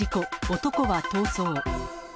男は逃走。